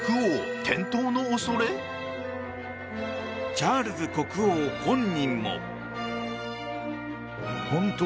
チャールズ国王本人も。